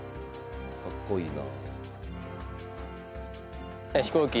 かっこいいな。